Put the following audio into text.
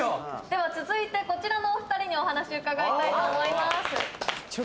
では続いてこちらのお二人にお話伺いたいと思います